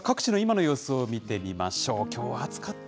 さあ、続いては各地の今の様子を見てみましょう。